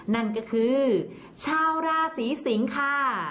นั่นก็คือชาวราศีสิงค่ะ